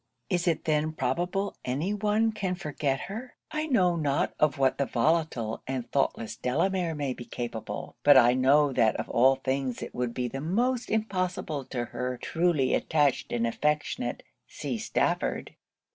'Is it then probable any one can forget her? I know not of what the volatile and thoughtless Delamere may be capable; but I know that of all things it would be the most impossible to her truly attached and affectionate, C. STAFFORD.'